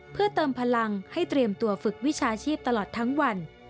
เพื่อเติมพลังให้เตรียมตัวฝึกวิชาชีพตลอดทั้งวัน